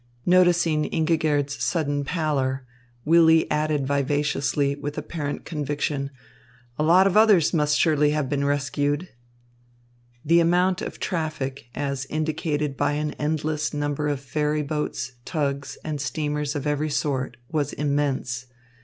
Noticing Ingigerd's sudden pallor, Willy added vivaciously, with apparent conviction, "A lot of others must surely have been rescued." The amount of traffic, as indicated by an endless number of ferry boats, tugs, and steamers of every sort, was immense.